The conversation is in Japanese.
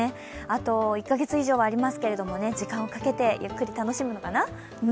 あと１か月以上はありますけれども時間をかけてゆっくり楽しむのかな。